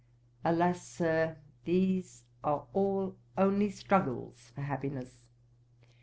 'Alas, Sir, these are all only struggles for happiness.